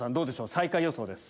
最下位予想です。